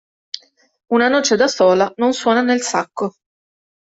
Una noce da sola non suona nel sacco.